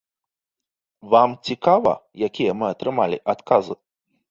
Вам цікава, якія мы атрымалі адказы?